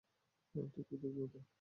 ঠিক পৃথিবীর মত!